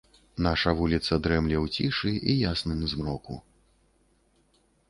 Наша вуліца дрэмле ў цішы і ясным змроку.